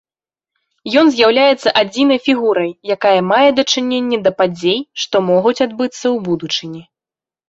Ён з'яўляецца адзінай фігурай, якая мае дачыненне да падзей, што могуць адбыцца ў будучыні.